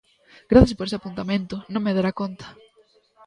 Grazas por ese apuntamento, non me dera conta.